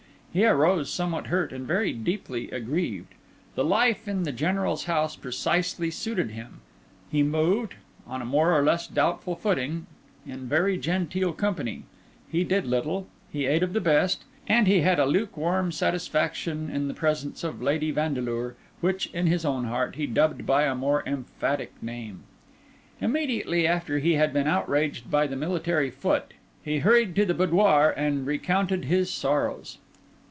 He arose somewhat hurt and very deeply aggrieved. The life in the General's house precisely suited him; he moved, on a more or less doubtful footing, in very genteel company, he did little, he ate of the best, and he had a lukewarm satisfaction in the presence of Lady Vandeleur, which, in his own heart, he dubbed by a more emphatic name. Immediately after he had been outraged by the military foot, he hurried to the boudoir and recounted his sorrows.